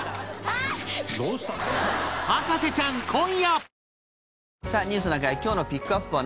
『博士ちゃん』今夜！